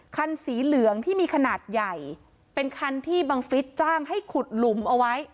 คันสีเหลืองที่มีขนาดใหญ่เป็นคันที่บังฟิศจ้างให้ขุดหลุมเอาไว้